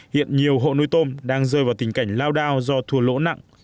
hiện nhiều hộ nuôi tôm đang rơi vào tình cảnh lao đao do thua lỗ nặng